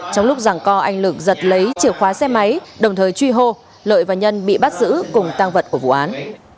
trong lúc rằng co anh lực giật lấy chìa khóa xe máy đồng thời truy hô lợi và nhân bị bắt giữ cùng tăng vật của vụ án